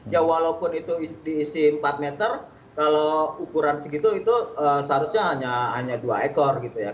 ya walaupun itu diisi empat meter kalau ukuran segitu itu seharusnya hanya dua ekor gitu ya